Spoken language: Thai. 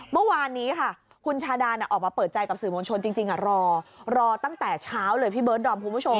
เมื่อวานนี้ค่ะคุณชาดาออกมาเปิดใจกับสื่อมวลชนจริงรอรอตั้งแต่เช้าเลยพี่เบิร์ดดอมคุณผู้ชม